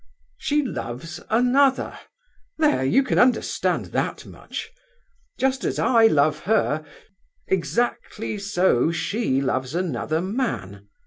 She loves another—there, you can understand that much! Just as I love her, exactly so she loves another man.